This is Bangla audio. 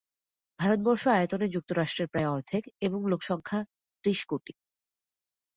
ভারতবর্ষ আয়তনে যুক্তরাষ্ট্রের প্রায় অর্ধেক এবং লোকসংখ্যা ত্রিশ কোটি।